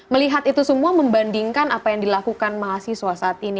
melihat itu semua membandingkan apa yang dilakukan mahasiswa saat ini